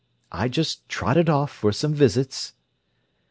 "I just trotted off for some visits."